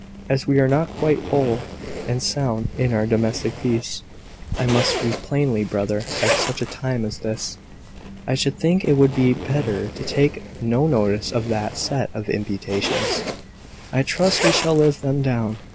As we are not quite whole and sound in our domestic peace (I must speak plainly, brother, at such a time as this) I should think it would be better to take no notice of that set of imputations. I trust we shall live them down."